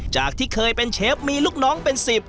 จากที่เคยเป็นเชฟมีลูกน้องเป็น๑๐